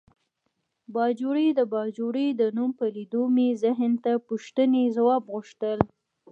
باجوړی د باجوړي د نوم په لیدو مې ذهن ته پوښتنې ځواب غوښتل.